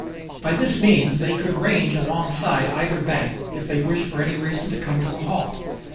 By this means they could range alongside either bank, if they wished for any reason to come to a halt.